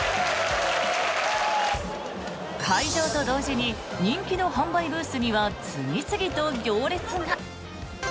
開場と同時に人気の販売ブースには次々と行列が。